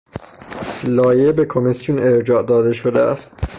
لایحه به کمیسیون ارجاع شده است.